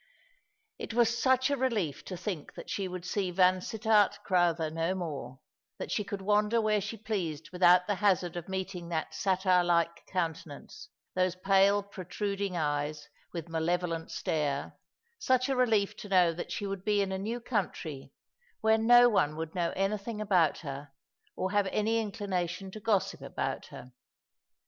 It was such a relief to think that she would see Vansittart Crowther no more, that she could wander where she pleased without the hazard of meeting that satyr like countenance, those pale protruding eyes, with malevolent stare — such a relief to know that she would be in a new country, where no one would know anything about her, or have any inclina tion to gossip about her.